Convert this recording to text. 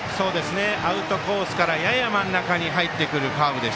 アウトコースからやや真ん中に入ってくるカーブ。